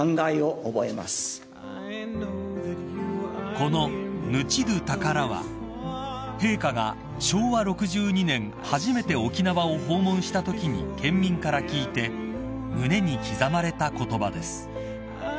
［この「ぬちどぅたから」は陛下が昭和６２年初めて沖縄を訪問したときに県民から聞いて胸に刻まれた言葉です］